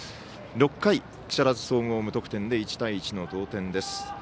６回、木更津総合無得点で１対１の同点です。